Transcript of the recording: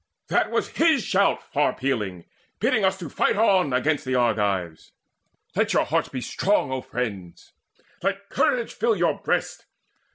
That was his shout far pealing, bidding us Fight on against the Argives. Let your hearts Be strong, O friends: let courage fill your breasts.